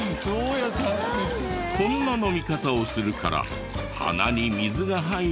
こんな飲み方をするから鼻に水が入り。